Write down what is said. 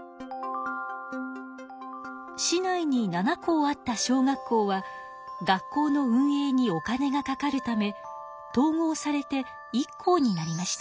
市内に７校あった小学校は学校の運営にお金がかかるため統合されて１校になりました。